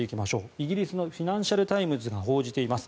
イギリスのフィナンシャル・タイムズが報じています。